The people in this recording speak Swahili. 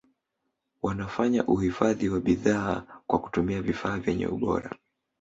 wanafanya uhifadhi wa bidhaa kwa kutumia vifaa vyenye ubora